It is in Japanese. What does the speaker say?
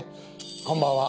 こんばんは。